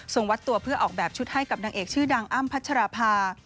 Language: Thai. วัดตัวเพื่อออกแบบชุดให้กับนางเอกชื่อดังอ้ำพัชราภา